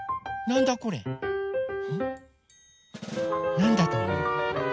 なんだとおもう？